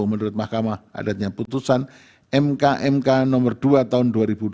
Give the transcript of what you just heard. menurut mahkamah adatnya putusan mk mk no dua tahun dua ribu dua puluh tiga